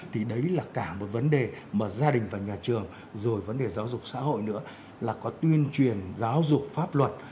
thì đấy là cả một vấn đề mà gia đình và nhà trường rồi vấn đề giáo dục xã hội nữa là có tuyên truyền giáo dục pháp luật